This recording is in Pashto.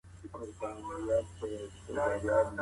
زه اجازه لرم چي تړل وکړم.